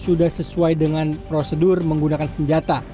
sudah sesuai dengan prosedur menggunakan senjata